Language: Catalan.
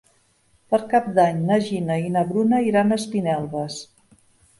Per Cap d'Any na Gina i na Bruna iran a Espinelves.